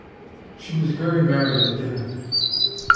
She was very merry at dinner.